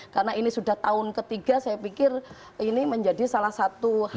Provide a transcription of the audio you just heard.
karena ini sudah tahun ketiga saya pikir ini menjadi salah satu hal yang penting